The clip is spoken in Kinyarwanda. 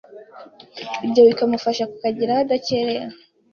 ibyo bikamufasha kukageraho adakererewe,